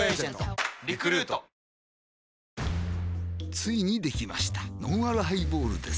ついにできましたのんあるハイボールです